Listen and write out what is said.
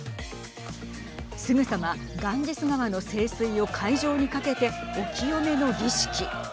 すぐさまガンジス川の聖水を会場にかけてお清めの儀式。